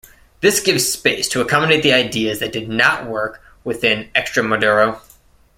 This gives space to accommodate the ideas that did not work within Extremoduro.